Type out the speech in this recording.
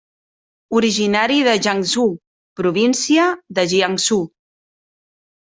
Originari de Yangzhou, província de Jiangsu.